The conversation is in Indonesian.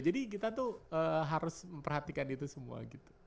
jadi kita tuh harus memperhatikan itu semua gitu